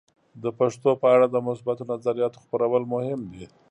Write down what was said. د پښتو په اړه د مثبتو نظریاتو خپرول مهم دي.